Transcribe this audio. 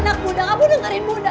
na tolong dengerin bunda